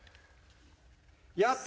やった。